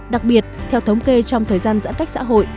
đặc biệt theo thống kê trong thời gian giãn cách xã hội